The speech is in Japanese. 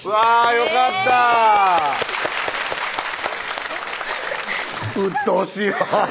よかったうっとうしいわぁ